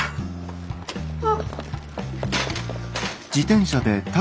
あっ。